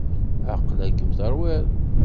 Aqla-kem terwiḍ.